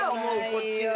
こっち側。